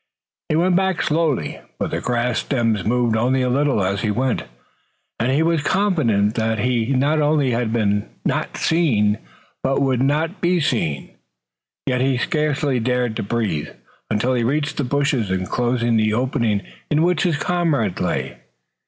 He went back slowly, but the grass stems moved only a little as he went, and he was confident that he not only had not been seen, but would not be seen. Yet he scarcely dared to breathe until he reached the bushes inclosing the opening in which his comrades lay.